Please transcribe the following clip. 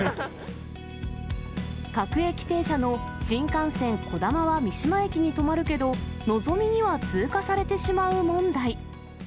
各駅停車の新幹線こだまは三島駅に止まるけど、のぞみには通過されてしまう問題。